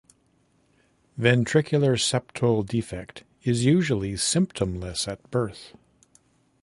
Ventricular septal defect is usually symptomless at birth.